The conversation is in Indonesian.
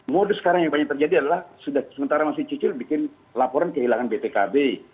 modus sekarang yang banyak terjadi adalah sementara mas cicil bikin laporan kehilangan bpkb